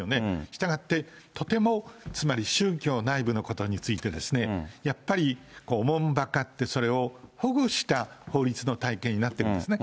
したがって、とてもつまり宗教内部のことについてですね、やっぱり慮ってそれを保護した法律の体系になってるんですね。